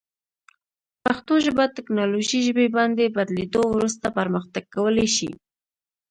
پښتو ژبه تکنالوژي ژبې باندې بدلیدو وروسته پرمختګ کولی شي.